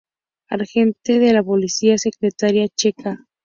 Agente de la policía secreta checa.